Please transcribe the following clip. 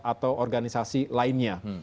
atau organisasi lainnya